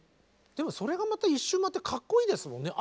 でもそれがまた一周回ってかっこいいですもんね。